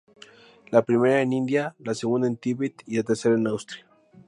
La primera en India, la segunda en Tíbet y la tercera en Austria.